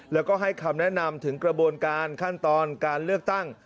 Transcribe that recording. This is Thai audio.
แล้วก็ให้คำแนะนำถึงกระบวนการขั้นตอนการเลือกตั้ง